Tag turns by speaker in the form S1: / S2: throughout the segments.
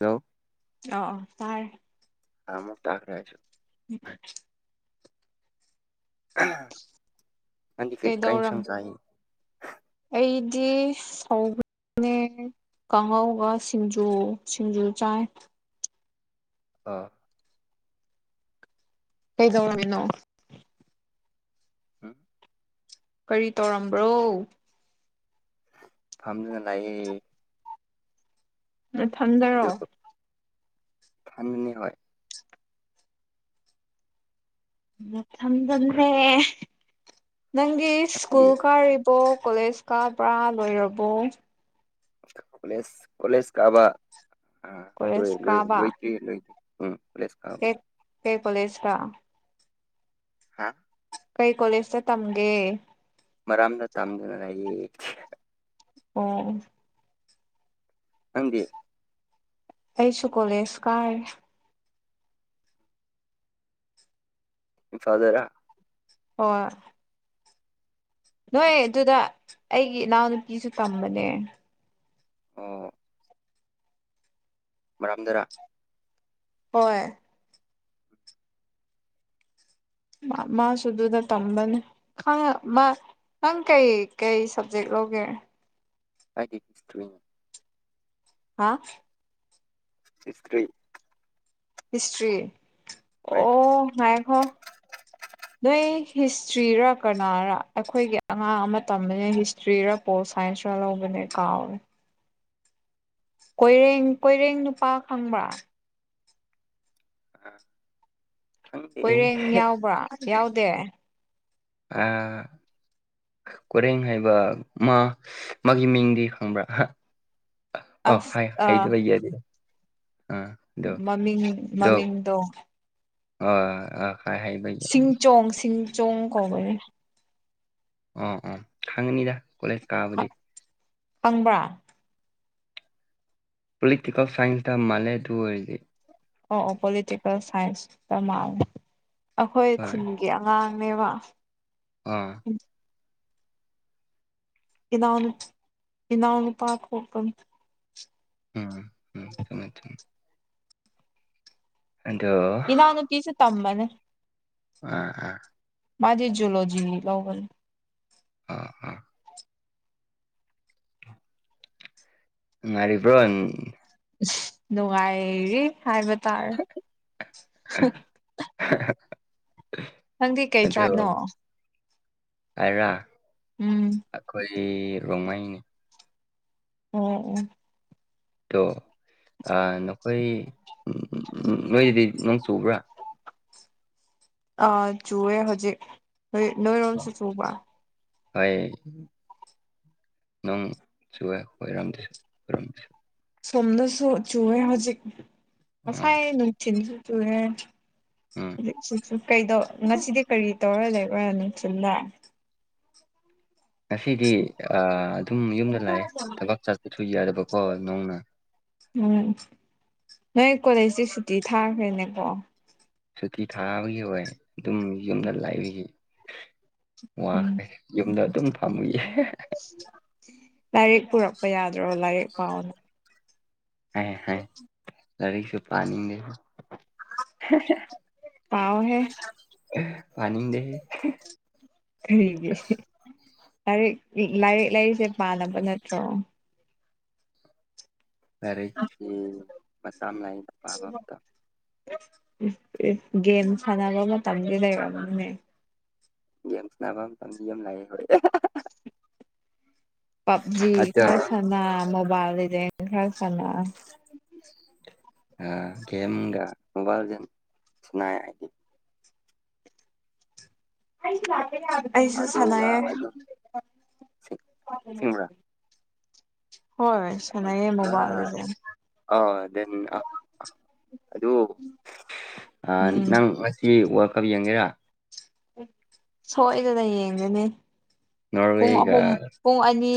S1: Hello
S2: ꯑꯣ ꯑꯣ ꯇꯥꯔꯦ
S1: ꯅꯍꯥꯃꯨꯛ ꯇꯥꯈ꯭ꯔꯦ ꯑꯩꯁꯨ
S2: [unintelligible]
S1: [unintelligible] ꯅꯪꯗꯤ ꯀꯩ ꯀꯩ
S2: ꯀꯩꯗꯧꯔꯝ
S1: ꯏꯟꯁꯥꯡ ꯆꯥꯏꯌꯦ
S2: ꯑꯩꯗꯤ ꯁꯧꯅꯤꯡꯉꯦ꯫ ꯀꯥꯡꯍꯧꯒ ꯁꯤꯡꯖꯨ ꯁꯤꯡꯖꯨ ꯆꯥꯏ
S1: ꯑꯣ
S2: ꯀꯩꯗꯧꯔꯝꯃꯤꯅꯣ
S1: ꯍꯝ [inaudible]
S2: ꯀꯔꯤ ꯇꯧꯔꯝꯕ꯭ꯔꯣ
S1: ꯐꯝꯔꯥꯒ ꯂꯩꯌꯦ ꯑꯗꯨ
S2: ꯅꯊꯟꯗꯔꯣ
S1: [inaudible] ꯏꯊꯟꯗꯅꯤ ꯍꯣꯢ
S2: ꯅꯊꯟꯗꯅꯦ ꯅꯪꯗꯤ
S1: ꯅꯪꯗꯤ
S2: ꯁ꯭ꯀꯨꯜ ꯀꯥꯔꯤ ꯕꯣ ꯀꯣꯂꯦꯖ ꯀꯥꯕ꯭ꯔꯥ ꯂꯣꯏꯔꯕꯣ
S1: ꯀꯣꯂꯦꯖ ꯀꯣꯂꯦꯖ ꯀꯥꯕꯥ ꯑꯥ ꯂꯣꯢ
S2: ꯀꯣꯂꯦꯖ
S1: ꯂꯣꯏ
S2: ꯀꯥꯕ
S1: ꯂꯣꯏꯗ꯭ꯔꯤ ꯂꯣꯏ ꯎꯝ ꯀꯣꯂꯦꯖ ꯀꯥꯕ
S2: ꯀꯩ ꯀꯩ ꯀꯣꯂꯦꯖꯔꯥ
S1: ꯍꯥꯥ
S2: ꯀꯩ ꯀꯣꯂꯦꯖꯇ ꯇꯝꯒꯦ
S1: ꯃꯔꯥꯝꯗ ꯇꯝꯗꯨꯅ ꯂꯩꯌꯦ
S2: ꯑꯣ
S1: ꯅꯪꯗꯤ
S2: ꯑꯩꯁꯨ ꯀꯣꯂꯦꯖ ꯀꯥꯏ
S1: ꯏꯝꯐꯥꯜ ꯗꯔꯥ
S2: ꯍꯣꯢ ꯅꯣꯏ ꯑꯗꯨꯗ ꯑꯩꯒꯤ ꯏꯅꯥꯎꯅꯨꯄꯤꯁꯨ ꯇꯝꯕꯅꯦ
S1: ꯑꯣ ꯃꯔꯥꯝꯗꯔꯥ
S2: ꯍꯣꯏ ꯃꯥ ꯃꯥꯁꯨ ꯑꯗꯨꯗ ꯇꯝꯕꯅꯤ ꯈꯪ ꯃꯥ ꯅꯪ ꯀꯩ ꯀꯩ ꯁꯞꯖꯦꯛ ꯂꯧꯒꯦ
S1: ꯍꯥꯏꯗꯤ ꯇ꯭ꯋꯤꯟ
S2: ꯍꯥꯥ
S1: ꯍꯤꯁꯇ꯭ꯔꯤ
S2: ꯍꯤꯁꯇ꯭ꯔꯤ
S1: ꯍꯣꯏ
S2: ꯑꯣ ꯉꯥꯏꯈꯣ ꯅꯣꯏ ꯍꯤꯁꯇ꯭ꯔꯤꯔꯥ ꯀꯅꯥꯔꯥ ꯑꯩꯈꯣꯏꯒꯤ ꯑꯉꯥꯡ ꯑꯃ ꯇꯝꯕꯅꯦ ꯍꯤꯁꯇ꯭ꯔꯤ ꯍꯤꯁꯇ꯭ꯔꯤꯔꯥ ꯄꯣꯜ ꯁꯥꯏꯟꯁꯔꯥ ꯂꯧꯕꯅꯦ ꯀꯥꯎꯔꯦ ꯀꯣꯏꯔꯦꯡ ꯀꯣꯏꯔꯦꯡ ꯅꯨꯄꯥ ꯈꯪꯕ꯭ꯔꯥ
S1: ꯑꯥ ꯈꯪꯗꯦ
S2: ꯀꯣꯏꯔꯦꯡ ꯌꯥꯎꯕ꯭ꯔꯥ ꯌꯥꯎꯗꯦ
S1: ꯑꯥ ꯀꯣꯢꯔꯦꯡ ꯍꯥꯏꯕ ꯃꯥ ꯃꯥꯒꯤ ꯃꯤꯡꯗꯤ ꯈꯪꯕ꯭ꯔꯥ ꯑꯥ ꯍꯥꯏꯌꯨ
S2: ꯑꯁ ꯑ
S1: ꯍꯩꯗꯕꯒꯤꯌꯥꯗꯦꯅꯦ ꯑ
S2: ꯃꯃꯤꯡ ꯃꯃꯤꯡꯗꯣ
S1: ꯑꯣ ꯑ ꯍꯣꯏ ꯍꯥꯏ
S2: ꯁꯤꯡ ꯆꯣꯡ ꯁꯤꯡ ꯆꯣꯡ ꯀꯧꯕꯅꯦ
S1: ꯑꯥ ꯑꯥ ꯈꯪꯉꯅꯤꯗ ꯀꯣꯂꯦꯖ ꯀꯥꯕꯗꯤ
S2: ꯈꯪꯕ꯭ꯔꯥ
S1: ꯄꯣꯂꯤꯇꯤꯀꯦꯜ ꯁꯥꯏꯟꯁꯇ ꯃꯥꯜꯂꯦ ꯑꯗꯨ ꯑꯣꯏꯔꯗꯤ
S2: ꯑꯣ ꯑꯣ ꯄꯣꯂꯤꯇꯤꯀꯦꯜ ꯁꯥꯏꯟꯁꯇ ꯃꯥꯜꯂꯦ ꯑꯩꯈꯣꯏ
S1: ꯍꯣꯏ
S2: ꯈꯨꯟꯒꯤ ꯑꯉꯥꯡꯅꯦꯕ
S1: ꯑꯥ
S2: ꯏꯅꯥꯎ ꯏꯅꯥꯎ ꯅꯨꯄꯥ ꯊꯣꯛꯄꯅꯦ
S1: ꯎꯝ ꯎꯝ ꯎꯝ ꯑꯗꯣ
S2: ꯏꯅꯥꯎꯅꯨꯄꯤꯁꯨ ꯇꯝꯕꯅꯦ
S1: ꯑ ꯑꯥ
S2: ꯃꯥꯗꯤ ꯖꯨꯂꯣꯖꯤ ꯂꯧꯕꯅꯤ
S1: ꯑ ꯑ ꯅꯨꯡꯉꯥꯏꯔꯤꯕ꯭ꯔꯣ
S2: ꯅꯨꯡꯉꯥꯏꯔꯤ ꯍꯥꯏꯕ ꯇꯥꯔꯦ
S1: [inaudible]
S2: ꯅꯪꯗꯤ ꯀꯩ ꯇ꯭ꯔꯥꯞꯅꯣ
S1: ꯑꯩꯔ
S2: ꯎꯝ
S1: ꯑꯩꯈꯣꯏꯒꯤ ꯔꯣꯡꯃꯩꯅꯦ
S2: ꯎꯝ ꯎꯝ
S1: ꯑꯗꯣ ꯑꯥ ꯅꯈꯣꯏ ꯅꯣꯏꯗꯤ ꯅꯣꯡ ꯆꯨꯕ꯭ꯔꯥ
S2: ꯑ ꯆꯨꯑꯦ ꯍꯧꯖꯤꯛ ꯅꯣꯏꯔꯣꯝꯁꯨ ꯆꯨꯕ꯭ꯔ
S1: ꯍꯣꯏ ꯅꯣꯡ ꯆꯨꯑꯦ ꯑꯈꯣꯏꯔꯣꯝꯗꯁꯨ ꯑꯣꯏꯔꯝꯗꯁꯨ
S2: ꯁꯣꯝꯗꯁꯨ ꯆꯨꯑꯦ ꯍꯧꯖꯤꯛ
S1: ꯑꯥ
S2: ꯉꯁꯥꯏ ꯅꯨꯡꯊꯤꯟꯁꯨ ꯆꯨꯨꯔꯦ
S1: ꯎꯝ
S2: ꯀꯩꯗꯧ ꯉꯁꯤꯗꯤ ꯀꯔꯤ ꯇꯧꯔ ꯂꯩꯕꯔ ꯅꯨꯡꯊꯤꯜꯗ
S1: ꯉꯁꯤꯗꯤ ꯑꯥ ꯑꯗꯨꯝ ꯌꯨꯝꯗ ꯂꯥꯛꯑꯦ ꯊꯕꯛ ꯆꯠꯄꯁꯨ ꯌꯥꯗꯕꯀꯣ ꯅꯣꯡꯅ
S2: ꯎꯝ ꯅꯣꯏ ꯀꯣꯂꯦꯖꯁꯤ ꯁꯨꯇꯤ ꯊꯥꯈ꯭ꯔꯦꯅꯦꯀꯣ
S1: ꯁꯨꯇꯤ ꯊꯥꯕꯒꯤ ꯑꯣꯏ ꯑꯗꯨꯝ ꯌꯨꯝꯗ ꯂꯩꯔꯤ
S2: ꯎꯝ
S1: ꯋꯥꯈ꯭ꯔꯦ ꯌꯨꯝꯗ ꯑꯗꯨꯝ ꯐꯝꯃꯨꯏꯌꯦ
S2: ꯂꯥꯏꯔꯤꯛ ꯄꯨꯔꯛꯄ ꯌꯥꯗ꯭ꯔꯣ ꯂꯥꯏꯔꯤꯛ ꯄꯥꯎ
S1: ꯂꯥꯏꯔꯤꯛꯁꯨ ꯄꯥꯅꯤꯡꯗꯦ
S2: ꯄꯥꯎꯋꯣꯍꯦ
S1: ꯄꯥꯅꯤꯡꯗꯦꯍꯦ
S2: ꯀꯔꯤꯒꯤ ꯂꯥꯏꯔꯤꯛ ꯂꯥꯏꯔꯤꯛ ꯂꯥꯏꯔꯤꯁꯦ ꯄꯥꯅꯕ ꯅꯠꯇ꯭ꯔꯣ
S1: ꯂꯥꯏꯔꯤꯛꯁꯤ ꯃꯇꯝ ꯂꯩꯕꯅ ꯄꯥꯕ ꯑꯃꯇ
S2: ꯒꯦꯝ ꯁꯥꯟꯅꯕ ꯃꯇꯝꯗꯤ ꯂꯩꯔꯕꯅꯤꯅꯦ
S1: ꯒꯦꯝ ꯁꯥꯟꯅꯕ ꯃꯇꯝꯗꯤ ꯌꯥꯝ ꯂꯩꯑꯦꯕ ꯑꯩ
S2: ꯄꯞꯖꯤ
S1: ꯑꯗꯣ
S2: ꯈꯔ ꯁꯥꯟꯅ ꯃꯣꯕꯥꯏꯜ ꯂꯤꯖꯦꯟ ꯈꯔ ꯁꯥꯟꯅ
S1: ꯑ ꯒꯦꯝꯒ ꯃꯣꯕꯥꯏꯜꯒ ꯁꯅꯥꯏ ꯑꯩꯗꯤ
S2: ꯑꯩꯁꯨ ꯂꯥꯛꯀꯦ ꯌꯥꯕꯅꯦ
S1: ꯑꯗꯨꯒ ꯑꯗꯨ ꯁꯤ ꯁꯤꯡꯕ꯭ꯔꯥ
S2: ꯍꯣꯏ ꯁꯥꯟꯅꯩꯌꯦ ꯃꯣꯕꯥꯏꯜ ꯂꯤꯖꯦꯟ
S1: [unintelligible] ꯑꯗꯨ
S2: ꯎꯝ
S1: ꯅꯪ ꯉꯁꯤ ꯋꯥꯔꯜ ꯀꯞ ꯌꯦꯡꯒꯦꯔꯥ
S2: ꯁꯣꯏꯗꯅ ꯌꯦꯡꯒꯅꯤ ꯄꯨꯡ
S1: ꯅꯣꯔꯋꯦꯒ
S2: ꯑꯍꯨꯝ ꯄꯨꯡ ꯑꯅꯤ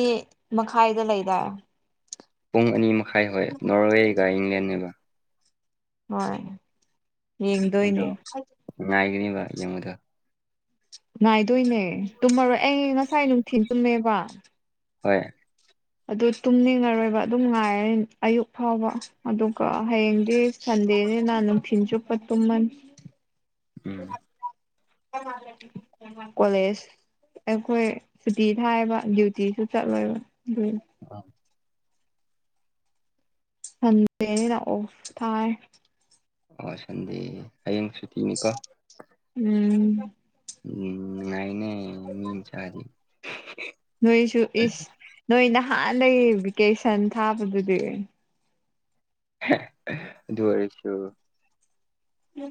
S2: ꯃꯈꯥꯏꯗ ꯂꯩꯗꯥꯏ
S1: ꯄꯨꯡ ꯑꯅꯤ ꯃꯈꯥꯏ ꯍꯣꯏ ꯅꯣꯔꯋꯦꯒ ꯏꯪꯂꯦꯟꯒ
S2: ꯍꯣꯏ ꯌꯦꯡꯗꯣꯏꯅꯦ
S1: ꯅꯨꯡꯉꯥꯏꯒꯅꯤꯕ ꯌꯦꯡꯕꯗꯣ
S2: ꯉꯥꯏꯗꯣꯏꯅꯦ ꯇꯨꯝꯃꯔꯣꯏ ꯑꯩ ꯉꯁꯥꯏ ꯅꯨꯡꯊꯤꯜ ꯇꯨꯝꯃꯦꯕ
S1: ꯍꯣꯏ
S2: ꯑꯗꯨ ꯇꯨꯝꯅꯤꯡꯉꯔꯣꯏꯕ ꯑꯗꯨꯝ ꯉꯥꯏꯔꯅꯤ ꯑꯌꯨꯛ ꯐꯥꯎꯕ ꯑꯗꯨꯒ ꯍꯌꯦꯡꯗꯤ ꯁꯟꯗꯦꯅꯤ ꯅꯨꯡꯊꯤꯟ ꯆꯨꯞꯄ ꯇꯨꯝꯃꯅꯤ
S1: ꯎꯝ
S2: ꯀꯣꯂꯦꯖ ꯑꯩꯈꯣꯏ ꯁꯨꯇꯤ ꯊꯥꯏꯌꯦꯕ ꯗ꯭ꯌꯨꯇꯤꯁꯨ ꯆꯠꯂꯣꯏꯕ ꯑꯗꯨꯏꯅꯤ
S1: [unintelligible]
S2: ꯁꯟꯗꯦꯅꯤꯅ ꯑꯣꯐ ꯊꯥꯏ
S1: ꯑꯣ ꯁꯟꯗꯦ ꯍꯌꯦꯡ ꯁꯨꯇꯤꯅꯤꯀꯣ
S2: ꯎꯝ
S1: ꯎꯝ ꯅꯨꯡꯉꯥꯏꯅꯦ ꯃꯤ ꯃꯆꯥꯗꯤ
S2: ꯅꯣꯏꯁꯨ ꯏꯁ ꯅꯣꯏ ꯅꯍꯥꯟꯗꯩꯒꯤ ꯚꯦꯀꯦꯁꯟ ꯊꯥꯕꯗꯨꯗꯤ
S1: ꯑꯗꯨ ꯑꯣꯏꯔꯁꯨ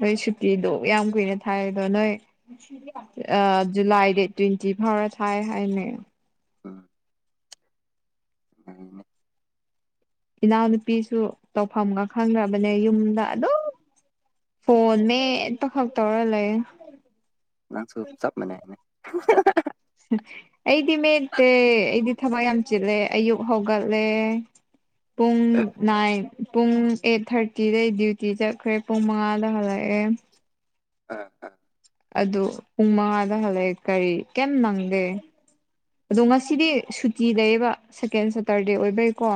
S2: ꯅꯣꯏ ꯁꯨꯇꯤꯗꯨ ꯌꯥꯝ ꯀꯨꯏꯔꯦ ꯊꯥꯏꯗꯣ ꯅꯣꯏ ꯖꯨꯂꯥꯏ ꯗꯦꯠ ꯇ꯭ꯋꯦꯟꯇꯤ ꯐꯥꯎꯔ ꯊꯥꯏ ꯍꯥꯏꯅꯦ
S1: ꯎꯝ ꯎꯝ
S2: ꯏꯅꯥꯎꯅꯨꯄꯤꯁꯨ ꯇꯧꯐꯝꯒ ꯈꯪꯗ꯭ꯔꯕꯅꯦ ꯌꯨꯝꯗ ꯑꯗꯨꯝ ꯐꯣꯟ ꯃꯦꯠꯄ ꯈꯛ ꯇꯧꯔ ꯂꯩꯌꯦ
S1: ꯅꯪꯁꯨ ꯆꯞ ꯃꯥꯟꯅꯩꯅꯦ
S2: [unintelligible] ꯑꯩꯗꯤ ꯃꯦꯠꯇꯦ ꯑꯩꯗꯤ ꯊꯕꯛ ꯌꯥꯝ ꯆꯤꯜꯂꯦ ꯑꯌꯨꯛ ꯍꯧꯒꯠꯂꯦ ꯄꯨꯡ ꯅꯥꯏꯟ ꯄꯨꯡ ꯑꯩꯠ ꯊꯥꯔꯇꯤꯗꯩ ꯗ꯭ꯌꯨꯇꯤ ꯆꯠꯈ꯭ꯔꯦ ꯄꯨꯡ ꯃꯉꯥꯗ ꯍꯜꯂꯛꯑꯦ
S1: ꯑꯥ ꯑꯥ
S2: ꯑꯗꯨ ꯄꯨꯡ ꯃꯉꯥꯗ ꯍꯜꯂꯛꯑꯦ ꯀꯔꯤ ꯀꯩꯝ ꯅꯪꯗꯦ ꯑꯗꯣ ꯉꯁꯤꯗꯤ ꯁꯨꯇꯤ ꯂꯩꯌꯦꯕ ꯁꯦꯀꯦꯟ ꯁꯥꯇꯔꯗꯦ ꯑꯣꯏꯕꯩꯀꯣ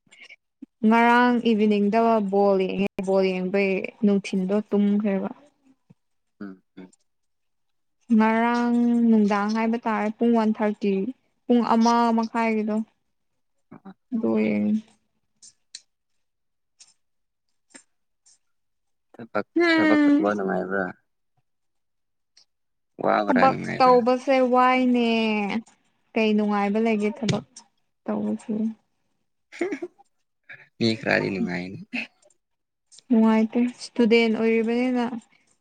S1: [inaudible]
S2: ꯉꯔꯥꯡ ꯏꯚꯤꯅꯤꯡꯗ ꯕꯣꯜ ꯌꯦꯡꯉꯦ ꯕꯣꯜ ꯌꯦꯡꯕꯩ ꯅꯨꯡꯊꯤꯟꯗꯣ ꯇꯨꯝꯈ꯭ꯔꯦꯕ
S1: ꯎꯝ
S2: ꯉꯔꯥꯡ ꯅꯨꯡꯗꯥꯡ ꯍꯥꯏꯕ ꯇꯥꯔꯦ ꯄꯨꯡ ꯋꯥꯟ ꯊꯥꯔꯇꯤ ꯄꯨꯡ ꯑꯃ ꯃꯈꯥꯏꯒꯤꯗꯣ
S1: ꯎꯝ
S2: ꯑꯗꯨ ꯌꯦꯡꯉꯦ
S1: ꯊꯕꯛ ꯊꯕꯛ
S2: ꯍꯝ
S1: ꯇꯧꯕ ꯅꯨꯡꯉꯥꯏꯕ꯭ꯔꯥ ꯋꯥꯕ꯭ꯔꯥ
S2: ꯊꯕꯛ
S1: ꯅꯨꯡꯉꯥꯏꯕ꯭ꯔꯥ
S2: ꯇꯧꯕ ꯁꯦ ꯋꯥꯏꯅꯦ ꯀꯩ ꯅꯨꯡꯉꯥꯏꯕ ꯂꯩꯒꯦ ꯊꯕꯛ ꯇꯧꯕꯁꯤꯕꯨ
S1: ꯃꯤ ꯈꯔꯥꯗꯤ ꯅꯨꯉꯥꯏꯅꯤ
S2: ꯅꯨꯡꯉꯥꯏꯇꯦ ꯏꯁꯇꯨꯗꯦꯟ ꯑꯣꯏꯔꯤꯕꯅꯤꯅ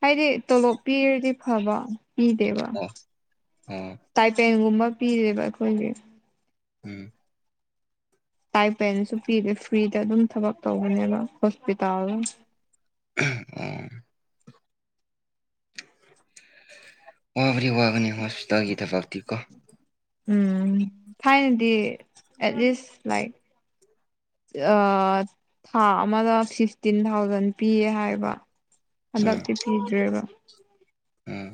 S2: ꯍꯥꯏꯗꯤ ꯇꯣꯂꯣꯞ ꯄꯤꯔꯗꯤ ꯐꯕ ꯄꯤꯗꯦꯕ
S1: ꯑꯣ ꯑꯣ
S2: ꯇꯥꯏꯄꯦꯟꯒꯨꯝꯕ ꯄꯤꯔꯦꯕ ꯑꯈꯣꯏꯒꯤ
S1: ꯎꯝ
S2: ꯇꯥꯏ ꯄꯦꯟꯁꯨ ꯄꯤꯗꯦ ꯐ꯭ꯔꯤꯗ ꯑꯗꯨꯝ ꯊꯕꯛ ꯇꯧꯕꯅꯦꯕ ꯍꯣꯁꯄꯤꯇꯥꯜ
S1: [unintelligible] ꯋꯥꯕꯗꯤ ꯋꯥꯕꯒꯤ ꯍꯣꯁꯄꯤꯇꯥꯜꯒꯤ ꯊꯕꯛꯇꯤꯀꯣ
S2: ꯎꯝ ꯊꯥꯏꯅꯗꯤ ꯑꯦꯠꯂꯤꯁ ꯂꯥꯏꯛ ꯑꯥ ꯊꯥ ꯑꯃꯗ ꯐꯤꯐꯇꯤꯟ ꯊꯥꯎꯖꯟ ꯄꯤꯌꯦ ꯍꯥꯏꯕ ꯍꯟꯗꯛꯇꯤ ꯄꯤꯗ꯭ꯔꯦꯕ
S1: ꯑꯥ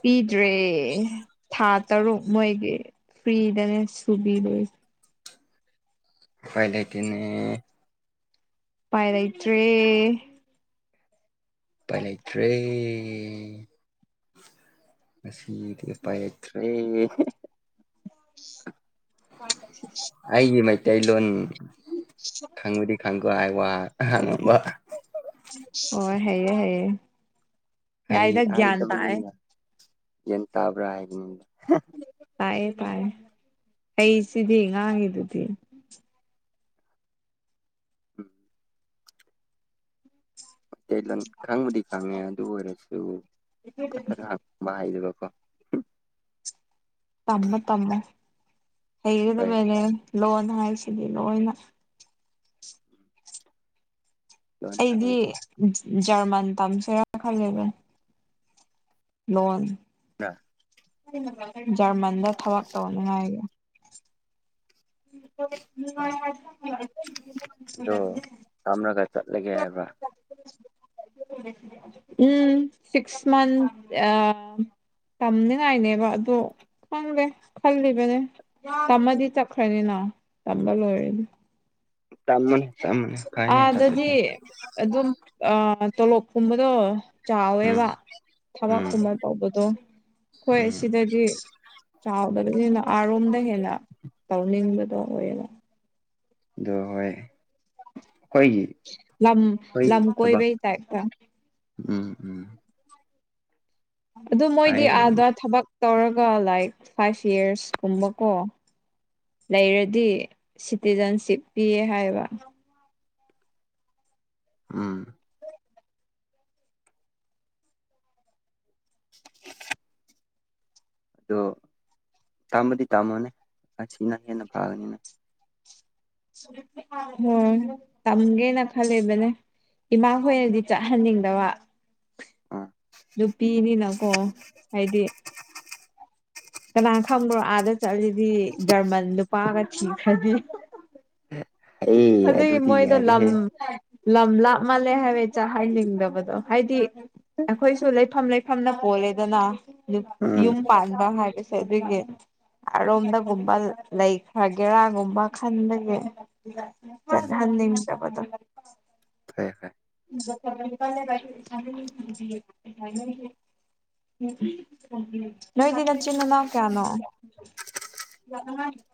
S2: ꯄꯤꯗ꯭ꯔꯦ ꯊꯥ ꯇꯔꯨꯛ ꯃꯣꯏꯒꯤ ꯐ꯭ꯔꯤꯗꯅꯦ ꯁꯨꯕꯤꯗꯣꯏ
S1: ꯎꯄꯥꯏ ꯂꯩꯇꯦꯅꯦ
S2: ꯄꯥꯏ ꯂꯩꯇ꯭ꯔꯦ
S1: ꯎꯄꯥꯏ ꯂꯩꯇ꯭ꯔꯦ ꯉꯗꯤꯁꯤ ꯎꯄꯥꯏ ꯂꯩꯇ꯭ꯔꯦ
S2: [inaudible]
S1: ꯑꯩꯒꯤ ꯃꯩꯇꯩꯂꯣꯟ ꯈꯪꯕꯗꯤ ꯈꯪꯀꯣ ꯍꯥꯏ ꯋꯥ
S2: ꯑꯣ ꯍꯩꯔꯦꯌꯦ ꯍꯩꯔꯦꯌꯦ
S1: ꯑꯩ
S2: ꯌꯥꯏꯗ ꯒ꯭ꯌꯥꯟ ꯇꯥꯔꯦ
S1: ꯍꯥꯏꯇꯕꯒꯤꯅꯤꯅ ꯒ꯭ꯌꯥꯟ ꯇꯥꯕ꯭ꯔꯥ ꯍꯥꯏꯕꯗꯤ ꯅꯪꯗꯦ
S2: ꯇꯥꯏꯑꯦ ꯇꯥꯏꯑꯦ ꯑꯩꯁꯤꯗꯤ ꯉꯥꯡꯉꯤꯗꯨꯗꯤ
S1: [inaudible] ꯇꯦꯂꯟ ꯈꯪꯕꯨꯗꯤ ꯈꯪꯉꯦ ꯑꯗꯨ ꯑꯣꯏꯔꯁꯨ ꯐꯠ ꯐꯠ ꯉꯥꯡ ꯕꯍꯥꯏꯖꯨꯒꯀꯣ
S2: ꯇꯝꯃꯣ ꯇꯝꯃꯣ
S1: ꯍꯣꯏ
S2: ꯍꯩꯒꯗꯕꯅꯦ ꯂꯣꯟ ꯍꯥꯏꯕꯁꯤꯗꯤ ꯂꯣꯏꯅ
S1: ꯂꯣꯟ
S2: ꯑꯩꯗꯤ
S1: ꯍꯥꯏꯕꯁꯤ
S2: ꯖꯔꯃꯟ ꯇꯝꯁꯦꯔꯥ ꯈꯜꯂꯤꯕꯟ ꯂꯣꯟ
S1: ꯅ
S2: ꯖꯔꯃꯟꯗ ꯊꯕꯛ ꯇꯧꯅꯤꯉꯥꯏꯒꯤ [unintelligible]
S1: ꯑ ꯑꯗꯣ ꯇꯝꯔꯒ ꯆꯠꯂꯒꯦ ꯍꯥꯏꯕ꯭ꯔꯥ
S2: ꯎꯝ ꯁꯤꯛꯁ ꯃꯟ ꯑꯥ ꯇꯝꯅꯤꯉꯥꯏꯅꯦꯕ ꯑꯗꯣ ꯈꯪꯗꯦ ꯈꯜꯂꯤꯕꯅꯦ ꯇꯝꯃꯗꯤ ꯆꯞ ꯈꯥꯔꯤꯅꯥꯎ ꯇꯝꯕ ꯂꯣꯏꯔꯅꯤ
S1: ꯇꯝꯃꯅꯤ ꯇꯝꯃꯅꯤ ꯀꯥꯏꯟꯅꯦ
S2: ꯑꯥꯗꯗꯤ
S1: ꯆꯠꯄꯩꯗꯣ
S2: ꯑꯗꯨꯝ ꯑꯥ ꯇꯣꯂꯣꯞꯀꯨꯝꯕꯗꯣ
S1: ꯎꯝ
S2: ꯆꯥꯎꯋꯦꯕ
S1: ꯎꯝ
S2: ꯊꯕꯛꯀꯨꯝꯕ ꯇꯧꯕꯗꯣ ꯈꯣꯏ
S1: ꯎꯝ
S2: ꯁꯤꯗꯗꯤ ꯆꯥꯎꯗꯕꯅꯤꯅ ꯑꯔꯣꯝꯗ ꯍꯦꯟꯅ ꯇꯧꯅꯤꯡꯕꯗꯣ ꯑꯣꯏꯌꯦꯕ
S1: ꯗꯣ ꯍꯣꯏ ꯈꯣꯏꯒꯤ
S2: ꯂꯝ ꯂꯝ ꯀꯣꯏꯕꯩ ꯇꯥꯏꯞꯇ
S1: ꯎꯝ ꯎꯝ
S2: ꯑꯗꯨ ꯃꯣꯏꯗꯤ
S1: ꯐꯩ
S2: ꯑꯥꯗ ꯊꯕꯛ ꯇꯧꯔꯒ ꯂꯥꯏꯛ ꯐꯥꯏꯚ ꯑꯤꯌꯔꯁ ꯀꯨꯝꯕꯀꯣ ꯂꯩꯔꯗꯤ ꯁꯤꯇꯤꯖꯟꯁꯤꯞ ꯄꯤꯌꯦ ꯍꯥꯏꯕ
S1: ꯎꯝ [inaudible] ꯗꯣ ꯇꯥꯝꯕꯗꯤ ꯇꯥꯝꯃꯣꯅꯦ ꯑꯁꯤꯅ ꯍꯦꯟꯅ ꯐꯥꯒꯅꯤꯅ
S2: ꯍꯣꯏ ꯇꯝꯒꯦꯅ ꯈꯜꯂꯤꯕꯅꯦ ꯏꯃꯥ ꯍ‌ꯣꯏꯅꯗꯤ ꯆꯠꯍꯟꯅꯤꯡꯗꯕ
S1: ꯑꯥ
S2: ꯅꯨꯄꯤꯅꯤꯅꯀꯣ ꯍꯥꯏꯗꯤ ꯀꯅꯥꯟ ꯈꯪꯕ꯭ꯔꯣ ꯑꯥꯗ ꯆꯠꯂꯗꯤ ꯖꯔꯃꯟ ꯅꯨꯄꯥꯒ ꯊꯤꯈ꯭ꯔꯗꯤ
S1: ꯑꯦ
S2: ꯑꯗꯨꯏ
S1: ꯑꯗꯨꯗꯤ
S2: ꯃꯣꯏꯗꯣ ꯂꯝ
S1: ꯌꯥꯗꯦꯍꯦ
S2: ꯂꯝ ꯂꯥꯞꯃꯜꯂꯦ ꯍꯥꯏꯕꯩ ꯆꯠꯍꯥꯅꯤꯡꯗꯕꯗꯣ ꯍꯥꯏꯗꯤ ꯑꯈꯣꯏꯁꯨ ꯂꯩꯐꯝ ꯂꯩ ꯐꯝꯅ ꯄꯣꯜꯂꯦꯗꯅ ꯅꯨꯞ
S1: ꯎꯝ
S2: ꯌꯨꯝ ꯄꯥꯟꯕ ꯍꯥꯏꯕꯁ ꯁ‌ꯦ ꯑꯗꯨꯒꯤ ꯑꯔꯣꯝꯗꯒꯨꯝꯕ ꯂꯩꯈ꯭ꯔꯒꯦꯔꯥꯒꯨꯝꯕ ꯈꯟꯕꯒꯤ
S1: ꯎꯝ
S2: ꯆꯠꯍꯟꯅꯤꯡꯗꯕꯗꯣ
S1: ꯐꯩꯌ‌ꯦ ꯐꯩ
S2: [unintelligible] [unintelligible] ꯅꯣꯢꯗꯤ ꯅꯆꯤꯟ ꯅꯅꯥꯎ ꯀꯌꯥꯅꯣ [unintelligible]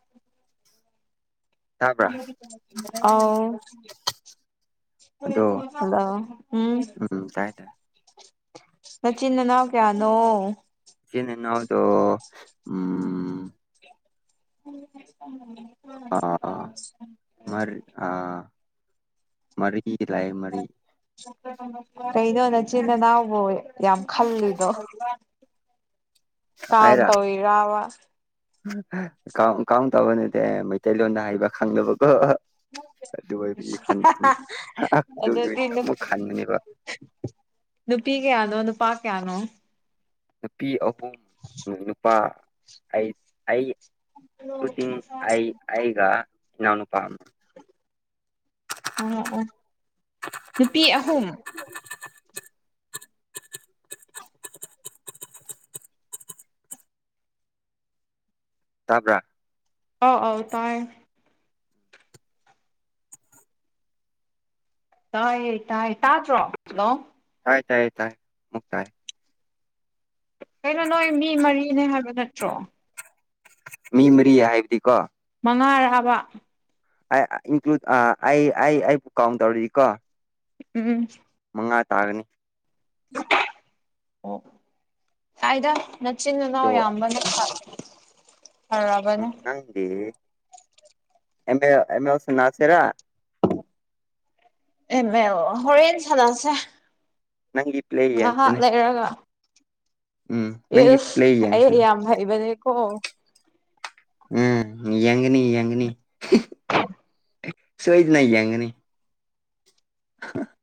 S1: ꯇꯥꯕ꯭ꯔꯥ
S2: [unintelligible] ꯑꯥꯎ
S1: ꯑꯗꯣ
S2: [unintelligible] ꯍꯜꯂꯣ ꯎꯝ
S1: ꯇꯥꯏ ꯇꯥꯏ
S2: ꯅꯆꯤꯟ ꯅꯅꯥꯎ ꯀꯌꯥꯅꯣ
S1: ꯏꯆꯤꯟ ꯏꯅꯥꯎꯗꯣ ꯎꯝ
S2: [unintelligible]
S1: ꯑꯥ ꯃꯔ ꯑꯥ ꯃꯔꯤ ꯂꯩꯥ ꯃꯔꯤ
S2: [unintelligible] ꯀꯩꯅꯣ ꯅꯆꯤꯟ ꯅꯅꯥꯎꯕꯨ ꯌꯥꯝ ꯈꯜꯂꯤꯗꯣ ꯀꯥꯎꯟ ꯇꯧꯋꯤꯔꯕ
S1: ꯥꯀꯥꯎꯟ ꯀꯥꯎꯟ ꯇꯧꯕ ꯅꯠꯇꯦ ꯃꯩꯇꯩꯂꯣꯟꯗ ꯍꯥꯢꯕ ꯈꯪꯗꯕꯀꯣ ꯑꯗꯨ ꯑꯣꯢꯕꯒꯤ ꯈꯟ ꯑꯝ ꯑꯗꯨꯒꯤ
S2: ꯑꯗꯨꯗꯤ
S1: ꯑꯃꯨꯛ ꯈꯥꯟꯕꯅꯦꯕ
S2: ꯅꯨꯄꯤ ꯀꯌꯥꯅꯣ ꯅꯨꯄꯥ ꯀꯌꯥꯅꯣ
S1: ꯅꯨꯄꯤ ꯑꯍꯨꯝ ꯅꯨꯄꯥ ꯑꯩ ꯑꯩ ꯈꯨꯇꯤꯡ ꯑꯩ ꯑꯩꯒ ꯏꯅꯥꯎ ꯅꯨꯄꯥ ꯑꯝ
S2: ꯑ ꯑꯣ ꯅꯨꯄꯤ ꯑꯍꯨꯝ
S1: [inaudible] ꯇꯥꯕ꯭ꯔꯥ
S2: ꯑꯥꯎ ꯑꯧ ꯇꯥꯢ ꯇꯥꯏꯌꯦ ꯇꯥꯏꯌꯦ ꯇꯥꯗ꯭ꯔꯣ ꯍꯜꯂꯣ
S1: ꯇꯥꯏ ꯇꯥꯏ ꯇꯥꯏ ꯃꯨꯛ ꯇꯥꯏ
S2: ꯀꯩꯅꯣ ꯅꯣꯏ ꯃꯤ ꯃꯔꯤꯅꯦ ꯍꯥꯏꯕ ꯅꯠꯇ꯭ꯔꯣ
S1: ꯃꯤ ꯃꯔꯤ ꯍꯥꯏꯕꯗꯤꯀꯣ
S2: ꯃꯉꯥꯔꯥꯍꯥꯕ
S1: ꯑꯩ ꯏꯟꯀ꯭ꯂꯨꯗ ꯑ ꯑꯩ ꯑꯩ ꯑꯩꯕꯨ ꯀꯥꯎꯟ ꯇꯧꯔꯗꯤ ꯀꯣ
S2: ꯎꯝ
S1: ꯃꯉꯥ ꯇꯥꯒꯅꯤ
S2: ꯑꯣ ꯀꯥꯏꯗ ꯅꯆꯤꯟ
S1: ꯑꯗꯣ
S2: ꯏꯅꯥꯎ ꯌꯥꯝꯕꯅ ꯐ [unintelligible]
S1: ꯎꯝ ꯅꯪꯗꯤ ꯑꯦꯝ ꯑꯦꯜ ꯑꯦꯝ ꯑꯦꯜ ꯁꯥꯅꯁꯦꯔꯥ
S2: ꯑꯦꯝ ꯑꯦꯜ ꯍꯣꯔꯦꯟ ꯁꯥꯅꯁꯦ
S1: ꯅꯪꯒꯤ ꯄ꯭ꯂꯦ
S2: ꯉꯥꯍꯥꯛ
S1: ꯌꯦꯡꯁꯤꯅꯦ
S2: ꯂꯩꯔꯒ
S1: ꯎꯝ ꯅꯪꯒꯤ ꯄ꯭ꯂꯦ
S2: ꯏꯁ ꯑꯩ
S1: ꯌꯦꯡꯁꯤꯅꯦ
S2: ꯌꯥꯝ ꯍꯩꯕꯅꯦꯀꯣ
S1: ꯎꯝ ꯌꯦꯡꯒꯅꯤ ꯌꯦꯡꯒꯅꯤ ꯁꯣꯏꯗꯅ ꯌꯦꯡꯒꯅꯤ [unintelligible]